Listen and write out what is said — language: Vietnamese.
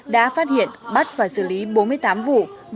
đã phát hiện bắt và xử lý bốn mươi tám vụ